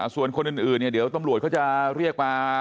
ส่วนคนอื่นเนี่ยเดี๋ยวตำรวจเขาจะเรียกมา